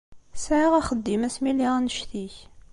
Sɛiɣ axeddim asmi lliɣ annect-ik.